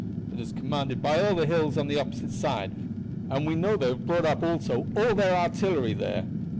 It is commanded by all the hills on the opposite side, and we know they have brought up also all their artillery there."